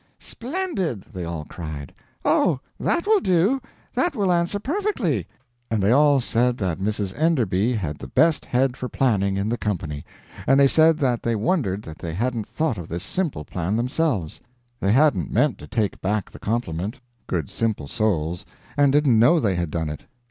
"Splendid!" they all cried. "Oh, that will do that will answer perfectly." And they all said that Mrs. Enderby had the best head for planning, in the company; and they said that they wondered that they hadn't thought of this simple plan themselves. They hadn't meant to take back the compliment, good simple souls, and didn't know they had done it.